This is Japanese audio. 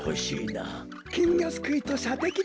きんぎょすくいとしゃてきだな。